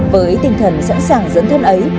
với tinh thần sẵn sàng dân thân ấy